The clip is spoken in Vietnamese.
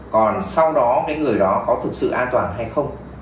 còn sau đó cái người đó có thực sự an toàn hay không